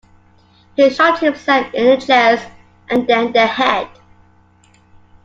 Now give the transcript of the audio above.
He shot himself in the chest and then the head.